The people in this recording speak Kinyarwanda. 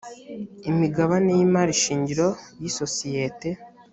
imigabane y imari shingiro y isosiyete